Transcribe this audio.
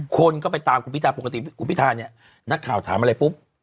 คนก็ไปตามคุณพิธาปกติคุณพิธาเนี่ยนักข่าวถามอะไรปุ๊บ